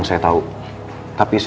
nah saya mau tanya nih